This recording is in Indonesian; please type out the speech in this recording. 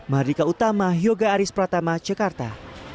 mardika utama yoga aris pratama jakarta